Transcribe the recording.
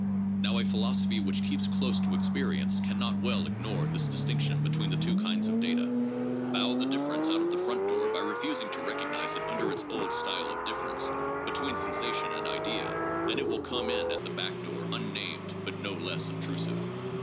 Now a philosophy which keeps close to experience can not well ignore this distinction between the two kinds of data. Bow the difference out of the front door by refusing to recognize it under its old style of difference between sensation and idea, and it will come in at the back door unnamed, but no less obtrusive.